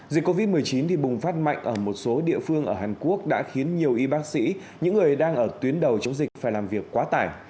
dịch covid một mươi chín đi bùng phát mạnh ở một số địa phương ở hàn quốc đã khiến nhiều y bác sĩ những người đang ở tuyến đầu chống dịch phải làm việc quá tải